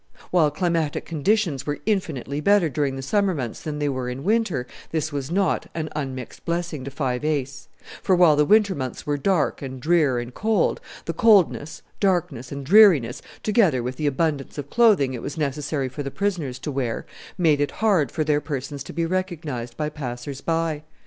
While climatic conditions were infinitely better during the summer months than they were in winter, this was not an unmixed blessing to Five Ace; for while the winter months were dark and drear and cold, the coldness, darkness, and dreariness, together with the abundance of clothing it was necessary for the prisoners to wear, made it hard for their persons to be recognized by passers by.